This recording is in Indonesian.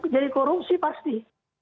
jadi korupsi pasti